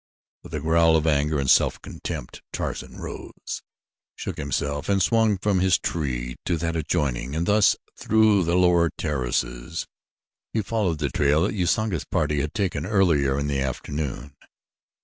With a growl of anger and self contempt Tarzan arose, shook himself, and swung from his tree to that adjoining, and thus, through the lower terraces, he followed the trail that Usanga's party had taken earlier in the afternoon.